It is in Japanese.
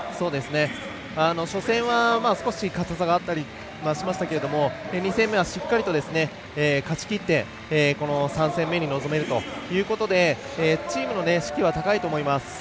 初戦は、少し硬さがあったりしましたけど２戦目は、しっかりと勝ちきってこの３戦目に臨めるということでチームの士気は高いと思います。